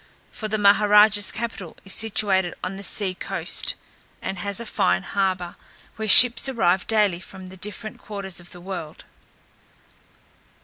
For the Maha raja's capital is situated on the sea coast, and has a fine harbour, where ships arrive daily from the different quarters of the world.